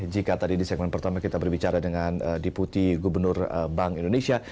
jika tadi di segmen pertama kita berbicara dengan deputi gubernur bank indonesia